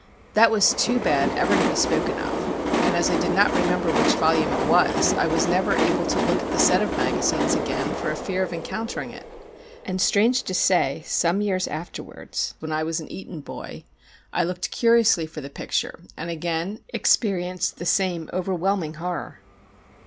That was too bad ever to be spoken of; and as I did not remember which volume it was, I was never able to look at the set of magazines again for fear of encountering it; and strange to say some years afterwards, when I was an Eton boy, I looked curiously for the picture, and again experienced the same overwhelming horror.